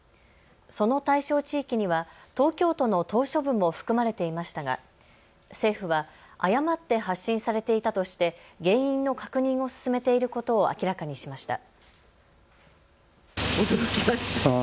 その対象地域には東京都の島しょ部も含まれていましたが政府は誤って発信されていたとして原因の確認を進めていることを明らかにしました。